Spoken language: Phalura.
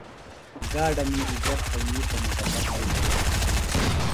گاڈہ می عزت تھئینی تھےۡ محبت منانہ۔